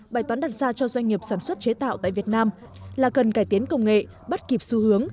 bài toán đặt ra cho doanh nghiệp sản xuất chế tạo tại việt nam là cần cải tiến công nghệ bắt kịp xu hướng